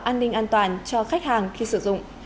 an ninh an toàn cho khách hàng khi sử dụng